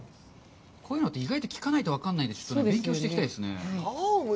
こういうのって意外と聞かないと分からないんで、勉強していきたいですね。